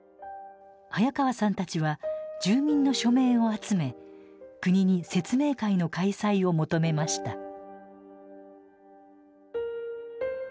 早川さんたちは住民の署名を集め国に説明会の開催を求めました。